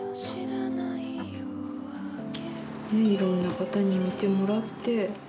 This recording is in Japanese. いろんな方に見てもらって。